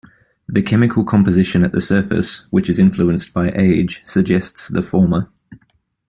The chemical composition at the surface, which is influenced by age, suggests the former.